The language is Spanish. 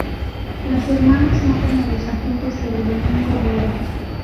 Las hermanas matan a los agentes, pero Domingo muere.